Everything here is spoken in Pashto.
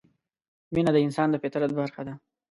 مینه د انسان د فطرت برخه ده.